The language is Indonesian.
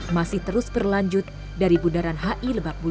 masih terus berlanjut dari bundaran hi lebat